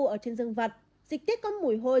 ở trên dương vật dịch tiết có mùi hôi